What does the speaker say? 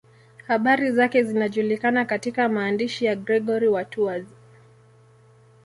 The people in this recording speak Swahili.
Habari zake zinajulikana katika maandishi ya Gregori wa Tours.